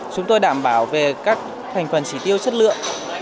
chúng tôi đảm bảo về các thành phần chỉ tiêu chất lượng